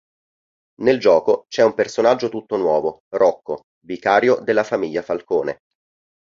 Nel gioco c'è un personaggio tutto nuovo, Rocco, vicario della Famiglia Falcone.